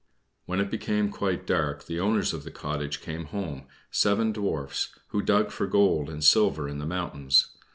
When it became quite dark the owners of the cottage came home, seven Dwarfs, who dug for gold and silver in the mountains.